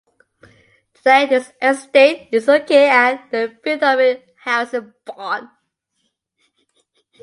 Today this estate is located at the Beethoven House in Bonn.